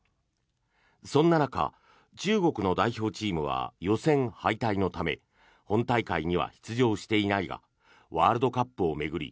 そんな中、中国の代表チームは予選敗退のため本大会には出場していないがワールドカップを巡り